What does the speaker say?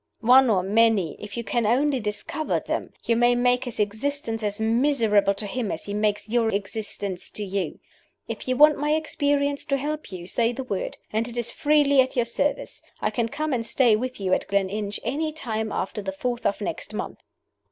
One or many, if you can only discover them, you may make his existence as miserable to him as he makes your existence to you. If you want my experience to help you, say the word, and it is freely at your service. I can come and stay with you at Gleninch any time after the fourth of next month."